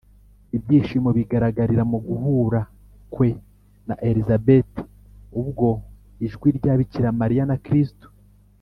ibyishimo bigaragarira mu guhura kwe na elizabeti; ubwo ijwi rya bikira mariya na kristu